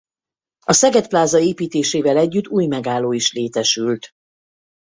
A Szeged Plaza építésével együtt új megálló is létesült.